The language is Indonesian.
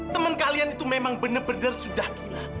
teman kalian itu memang bener bener sudah gila